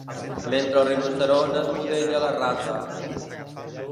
Mentre el rinoceront esbudella la rata.